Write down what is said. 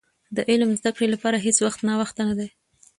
د علم زدي کړي لپاره هيڅ وخت ناوخته نه دي .